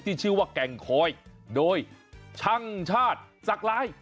ที่ชื่อว่าแก่งคอยโดยช่างชาติสักลาย